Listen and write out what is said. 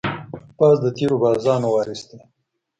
باز د تېرو بازانو وارث دی